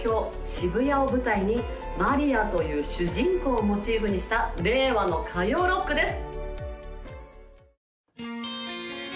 渋谷を舞台にマリアという主人公をモチーフにした令和の歌謡ロックです